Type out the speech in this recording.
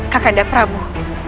kak kandet prabu